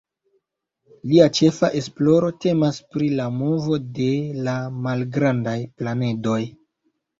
Lia ĉefa esploro temas pri la movo de la malgrandaj planedoj.